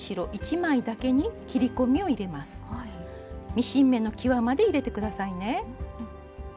ミシン目のきわまで入れて下さいね。